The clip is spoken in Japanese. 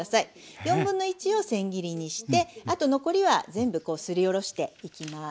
1/4をせん切りにしてあと残りは全部すりおろしていきます。